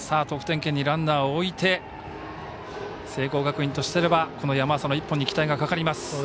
得点圏にランナーを置いて聖光学院とすれば山浅の１本に期待がかかります。